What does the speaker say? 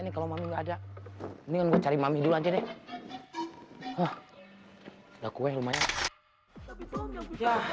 nih kalau masih enggak ada ini cari mami dulu aja deh ah udah kue lumayan